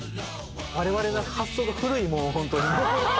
我々の発想が古いもうホントに。